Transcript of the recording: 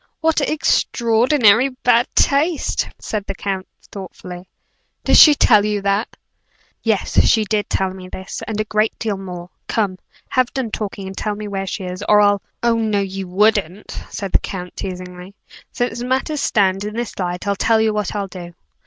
"What extraordinary bad taste!" said the count, thoughtfully. "Did she tell you that?" "Yes; she did tell me this, and a great deal more. Come have done talking, and tell me where she is, or I'll " "Oh, no, you wouldn't!" said the count, teasingly. "Since matters stand in this light I'll tell you what I'll do.